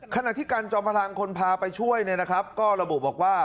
ขณะที่กันจอมพลังคนพาไปช่วยก็ระบุบอกว่า